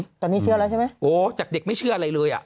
ตอนนี้เชื่อแล้วใช่ไหมโอ้จากเด็กไม่เชื่ออะไรเลยอ่ะ